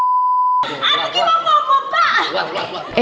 anakku mau bawa bapak